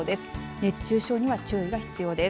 熱中症には注意が必要です。